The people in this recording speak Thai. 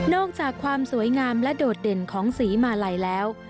อกจากความสวยงามและโดดเด่นของสีมาลัยแล้ว